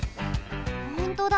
ほんとだ。